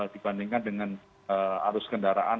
dibandingkan dengan arus kendaraan